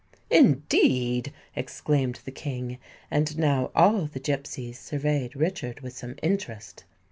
"Indeed!" exclaimed the King; and now all the gipsies surveyed Richard with some interest.